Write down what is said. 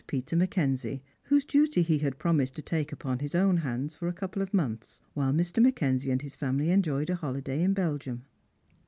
Peter Mackenzie, whose duty he had promised to take upon his own hands for a couple of months, while Mr. Mackenzie and his family enjoyed a holiday in Belgium.